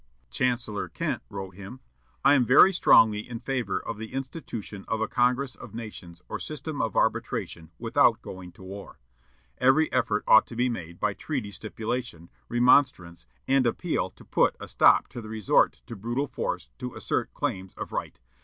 Chancellor Kent wrote him, "I am very strongly in favor of the institution of a congress of nations or system of arbitration without going to war. Every effort ought to be made by treaty stipulation, remonstrance, and appeal to put a stop to the resort to brutal force to assert claims of right.